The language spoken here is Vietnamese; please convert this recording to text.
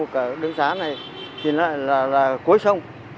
cả đường xã này thì nó là cuối sông